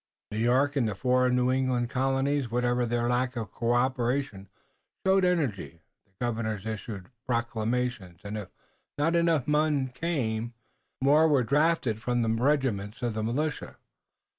New York and the four New England Colonies, whatever their lack of cooperation, showed energy. The governors issued proclamations, and if not enough men came, more were drafted from the regiments of militia.